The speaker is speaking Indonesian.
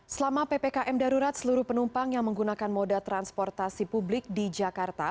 selama ppkm darurat seluruh penumpang yang menggunakan moda transportasi publik di jakarta